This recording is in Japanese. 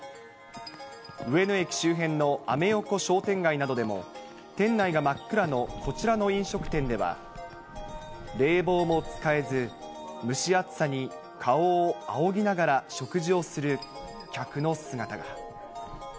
上野駅周辺のアメ横商店街などでも、店内が真っ暗のこちらの飲食店では、冷房も使えず、蒸し暑さに、顔をあおぎながら食事をする客の姿が。